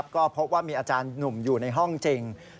ก็พบว่ามีอาจารย์หนุ่มอยู่ในห้องจริง